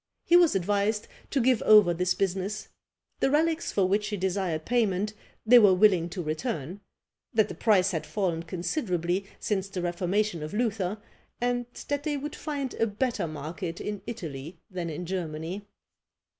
He was advised to give over this business; the relics for which he desired payment they were willing to return; that the price had fallen considerably since the reformation of Luther; and that they would find a better market in Italy than in Germany!